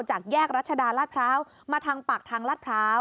จากแยกรัชดาลาดพร้าวมาทางปากทางลาดพร้าว